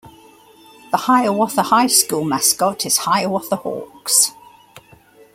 The Hiawatha High School mascot is Hiawatha Hawks.